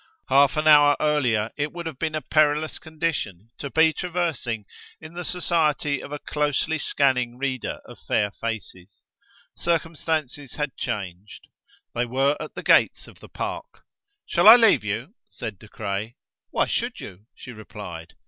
Half an hour earlier it would have been a perilous condition to be traversing in the society of a closely scanning reader of fair faces. Circumstances had changed. They were at the gates of the park. "Shall I leave you?" said De Craye. "Why should you?" she replied.